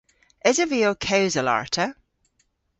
Esov vy ow kewsel arta?